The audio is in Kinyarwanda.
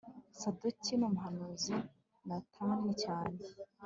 sadoki numuhanuzi natani cyane